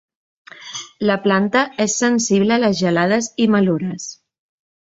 La planta és sensible a les gelades i malures.